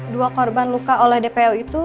dua korban luka oleh dpo itu